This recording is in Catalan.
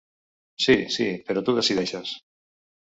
Sí, sí, però tu decideixes.